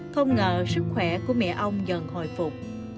không ngờ sức khỏe của mẹ ông dần hồi phục